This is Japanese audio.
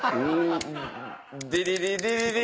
「ディリリディリリ」